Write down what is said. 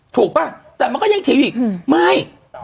ถูกปะแต่มันก็ยังทิ้งอีกไม่